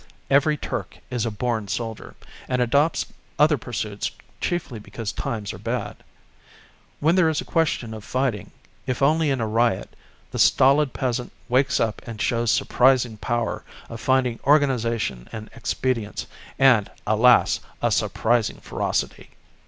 Every Turk is a born soldier, and adopts other pursuits chiefly because times are bad. When there is a question of fighting, if only in a riot, the stolid peasant wakes up and shows surprising power of finding organisation and expedients, and alas! a surprising ferocity.